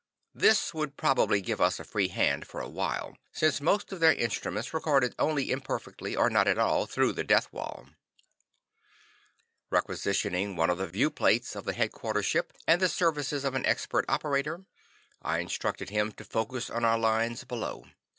This would probably give us a free hand for a while, since most of their instruments recorded only imperfectly or not at all, through the death wall. Requisitioning one of the viewplates of the headquarters ship, and the services of an expert operator, I instructed him to focus on our lines below.